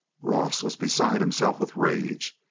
Ross was beside himself with rage.